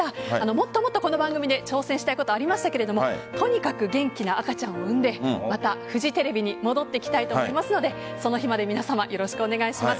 もっともっとこの番組で挑戦したいことありましたがとにかく元気な赤ちゃんを産んでまたフジテレビに戻ってきたいと思いますのでその日まで皆さまよろしくお願いします。